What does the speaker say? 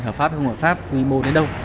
hợp pháp không hợp pháp quy mô đến đâu